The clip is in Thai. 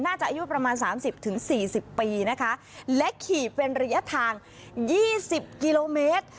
น่าจะอายุประมาณ๓๐๔๐ปีนะคะและขี่เป็นระยะทาง๒๐กิโลเมตร